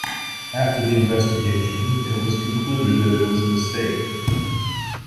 After the investigation, it was concluded that it was a mistake.